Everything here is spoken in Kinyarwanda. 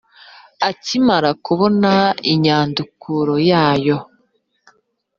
akimara kubona inyandukuro yayo